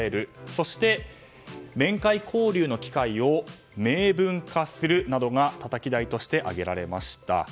そして、面会交流の機会を明文化するなどがたたき台として挙げられました。